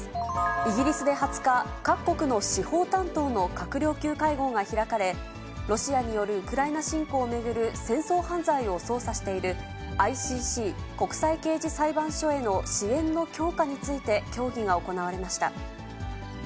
イギリスで２０日、各国の司法担当の閣僚級会合が開かれ、ロシアによるウクライナ侵攻を巡る戦争犯罪を捜査しているＩＣＣ・国際刑事裁判所への支援の強化について協議が行われました。